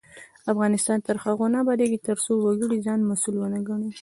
افغانستان تر هغو نه ابادیږي، ترڅو هر وګړی ځان مسؤل ونه ګڼي.